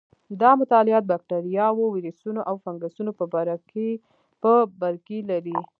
دا مطالعات بکټریاوو، ویروسونو او فنګسونو په برکې لري.